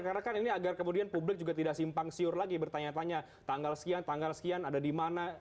karena kan ini agar kemudian publik juga tidak simpang siur lagi bertanya tanya tanggal sekian tanggal sekian ada dimana